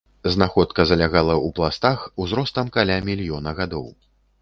Знаходка залягала у пластах, узростам каля мільёна гадоў.